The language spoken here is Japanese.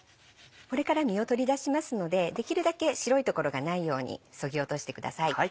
これから実を取り出しますのでできるだけ白い所がないようにそぎ落としてください。